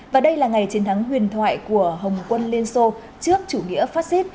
và đây là ngày chiến thắng huyền thoại của hồng quân liên xô trước chủ nghĩa fascist